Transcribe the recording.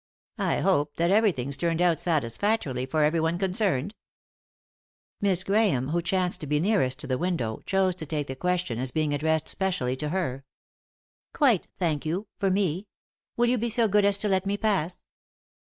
I hope that everything's turned out satisfactorily for everyone concerned ?" Miss Grahame, who chanced to be nearest to the window, chose to take the question as being addressed specially to her. "Quite, thank you— for me. Will you be so good as to let me pass